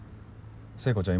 聖子ちゃん